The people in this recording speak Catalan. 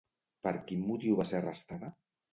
Per quin motiu va ser arrestada?